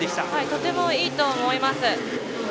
とてもいいと思います。